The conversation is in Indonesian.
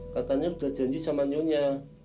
katanya sudah janji sama nyonya